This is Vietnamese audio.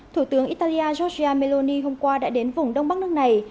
thủ tướng italia giorgia meloni hôm qua đã đến vùng đông bắc nước này